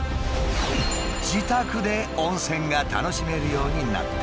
自宅で温泉が楽しめるようになった。